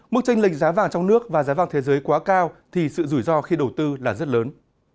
mức tranh lệch giá vàng trong nước và giá vàng thế giới quá cao thì sự rủi ro khi đầu tư là rất lớn